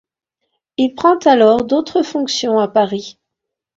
Il prend alors d'autres fonctions à Paris.